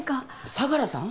相良さん？